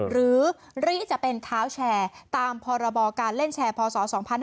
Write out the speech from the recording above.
หรือริจะเป็นเท้าแชร์ตามพรบการเล่นแชร์พศ๒๕๕๙